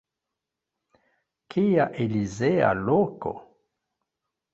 Kia elizea loko!